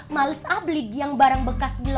malesah beli yang barang bekas beli lah